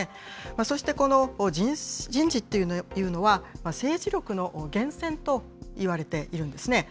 そしてこの人事というのは、政治力の源泉といわれているんですね。